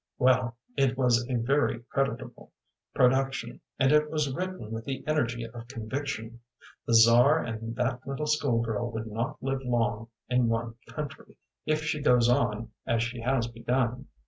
"Well, it was a very creditable production, and it was written with the energy of conviction. The Czar and that little school girl would not live long in one country, if she goes on as she has begun."